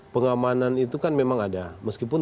pengamanan itu kan memang ada meskipun